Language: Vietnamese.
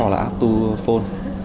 hoặc là app to phone